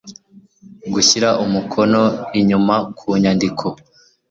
Gushyira umukono inyuma ku nyandiko